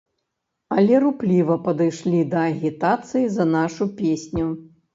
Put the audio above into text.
Але рупліва падышлі да агітацыі за нашу песню.